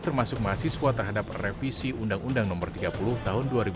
termasuk mahasiswa terhadap revisi undang undang nomor tiga puluh tahun dua ribu dua